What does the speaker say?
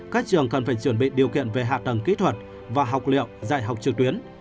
các trường cần phải chuẩn bị điều kiện về hạ tầng kỹ thuật và học liệu dạy học trực tuyến